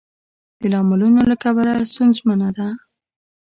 د لاملونو له کبله ستونزمنه ده.